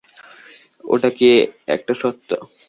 ওটা কি একটা সত্য!